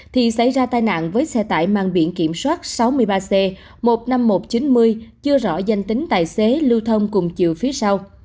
thì xảy ra tai nạn với xe tải mang biển kiểm soát sáu mươi ba c một mươi năm nghìn một trăm chín mươi chưa rõ danh tính tài xế lưu thông cùng chiều phía sau